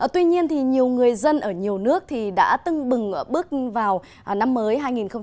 tuy nhiên thì nhiều người dân ở nhiều nước đã tưng bừng bước vào năm mới hai nghìn hai mươi